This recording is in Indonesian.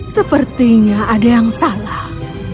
sepertinya ada yang salah